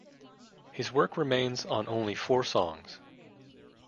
His work remains on only four songs.